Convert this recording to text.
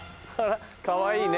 かわいいね。